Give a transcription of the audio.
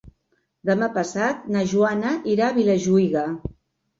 Demà passat na Joana irà a Vilajuïga.